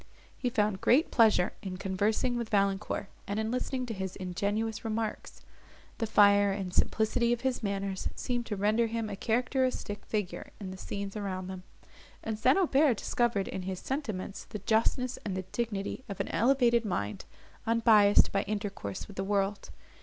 He found great pleasure in conversing with Valancourt, and in listening to his ingenuous remarks. The fire and simplicity of his manners seemed to render him a characteristic figure in the scenes around them; and St. Aubert discovered in his sentiments the justness and the dignity of an elevated mind, unbiased by intercourse with the world.